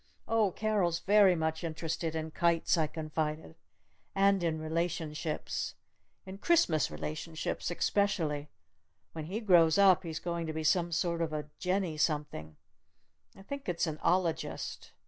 "Oh, Carol's very much interested in kites!" I confided. "And in relationships! In Christmas relationships especially! When he grows up he's going to be some sort of a jenny something I think it's an ologist!